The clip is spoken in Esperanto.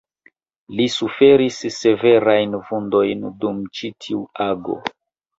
Li suferis severajn vundojn dum ĉi tiu ago.